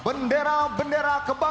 yang akan menyebabkan